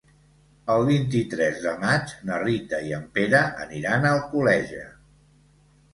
El vint-i-tres de maig na Rita i en Pere aniran a Alcoleja.